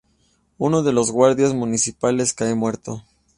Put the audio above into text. Uno de los guardias municipales cae muerto.